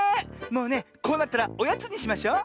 もうねこうなったらおやつにしましょう。